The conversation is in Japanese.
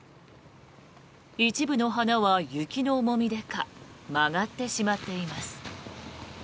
一部の花は、雪の重みでか曲がってしまっています。